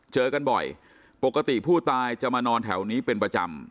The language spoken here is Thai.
เจอกันบ่อยปกติผู้ตายจะมานอนแถวนี้เป็นประจำ